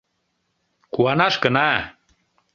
— Куанаш гына.